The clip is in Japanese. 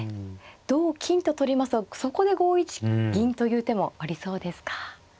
同金と取りますとそこで５一銀という手もありそうですか。